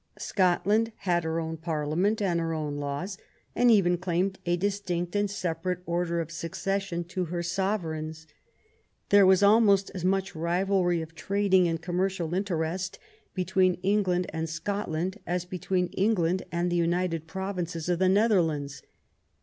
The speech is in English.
Scotland had her own Parliament and her own laws, and even claimed a distinct and separate order of succession in her sov ereigns. There was almost as much rivalry of trading and commercial interest between England and Scotland as between England and the United Provinces of the Netherlands.